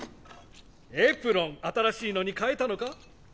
エプロン新しいのに変えたのか？